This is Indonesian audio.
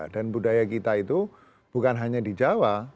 dan budaya kita itu bukan hanya di jawa